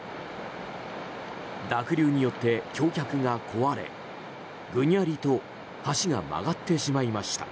濁流によって橋脚が壊れぐにゃりと橋が曲がってしまいました。